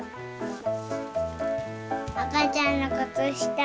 あかちゃんのくつした。